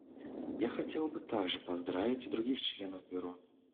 Я хотела бы также поздравить и других членов Бюро.